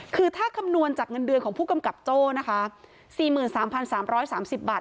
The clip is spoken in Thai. คือถ้าคำนวณจากเงินเดือนของผู้กำกับโจ้นะคะ๔๓๓๓๐บาท